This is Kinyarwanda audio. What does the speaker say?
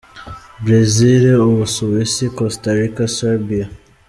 Brazil, u Busuwisi, Costa Rica, Serbia